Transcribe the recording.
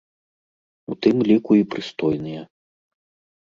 У тым ліку і прыстойныя.